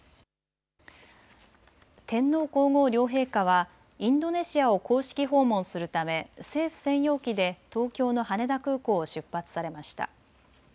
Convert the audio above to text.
天皇皇后両陛下はインドネシアを公式訪問するため政府専用機で東京の羽田空港を出発されました。